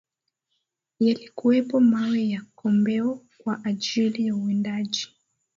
yalikuwepo mawe ya kombeo kwa ajili ya uwindaji